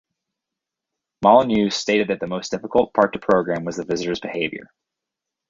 Molyneux stated that the most difficult part to program was the visitors' behaviour.